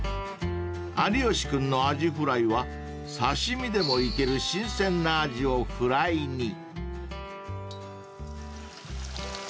［有吉君のあじフライは刺し身でもいける新鮮なアジをフライに］